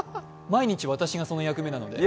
毎日、私がその役目なので。